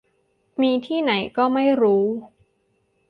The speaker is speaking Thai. มีที่ไหนก็ไม่รู้